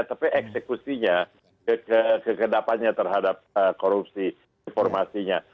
tapi eksekusinya kekedapannya terhadap korupsi informasinya